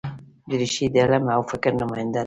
دریشي د علم او فکر نماینده ده.